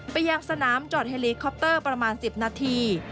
ไปยังสนามจอดเฮลีคอปเตอร์ประมาณ๑๐นาที